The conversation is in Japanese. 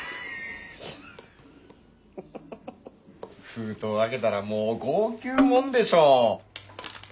封筒開けたらもう号泣もんでしょ。